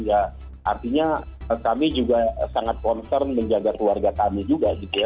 ya artinya kami juga sangat concern menjaga keluarga kami juga gitu ya